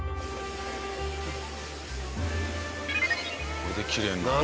これできれいになるんだ。